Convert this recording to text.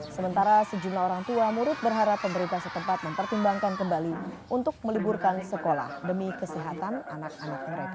sementara sejumlah orang tua murid berharap pemerintah setempat mempertimbangkan kembali untuk meliburkan sekolah demi kesehatan anak anak mereka